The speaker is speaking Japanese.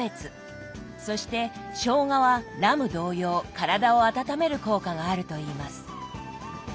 そしてしょうがはラム同様体を温める効果があるといいます。